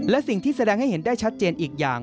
และสิ่งที่แสดงให้เห็นได้ชัดเจนอีกอย่าง